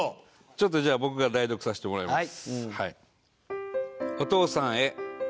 ちょっとじゃあ僕が代読させてもらいます。